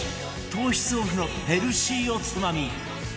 糖質オフのヘルシーおつまみ